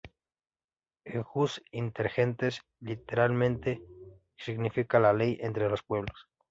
El "jus inter gentes", literalmente significa "la ley entre los pueblos".